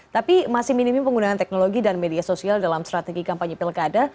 tapi masih minimnya penggunaan teknologi dan media sosial dalam strategi kampanye pilkada